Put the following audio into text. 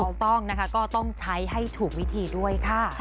ถูกต้องนะคะก็ต้องใช้ให้ถูกวิธีด้วยค่ะ